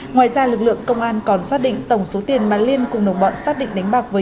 ngoài ra lực lượng công an còn xác định tổng số tiền mà liên cùng đồng bọn xác định đánh bạc với